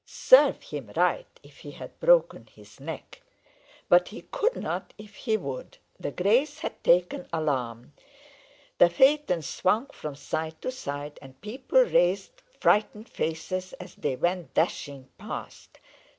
Serve him right if he had broken his neck! But he could not if he would. The greys had taken alarm. The phaeton swung from side to side, and people raised frightened faces as they went dashing past.